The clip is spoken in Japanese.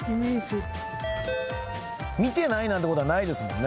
見てないなんてことはないですもんね。